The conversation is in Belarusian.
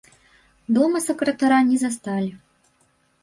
Дома сакратара не засталі.